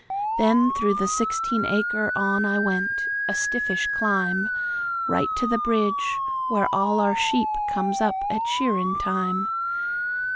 Then through the sixteen acre on I went, a stiffish climb, Right to the bridge, where all our sheep comes up at shearin' time.